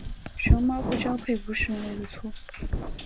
熊猫不交配不是人类的错。